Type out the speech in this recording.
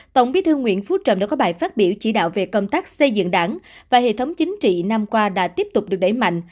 tổng bí thư nguyễn phú trọng đã có bài phát biểu chỉ đạo về công tác xây dựng đảng và hệ thống chính trị năm qua đã tiếp tục được đẩy mạnh